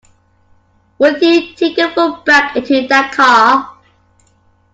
Will you take your foot back into that car?